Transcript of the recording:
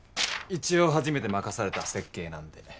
一応初めて任された設計なんで。